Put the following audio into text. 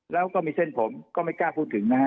แล้วก็มีเส้นผมก็ไม่กล้าพูดถึงนะฮะ